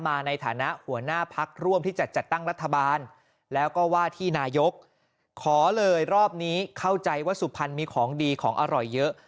ในฐานะหัวหน้าพักร่วมที่จะจัดตั้งรัฐบาลแล้วก็ว่าที่นายกขอเลยรอบนี้เข้าใจว่าสุพรรณมีของดีของอร่อยเยอะ